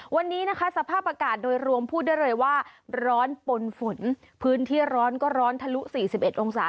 วันนี้นะคะสภาพอากาศโดยรวมพูดได้เลยว่าร้อนปนฝนพื้นที่ร้อนก็ร้อนทะลุ๔๑องศา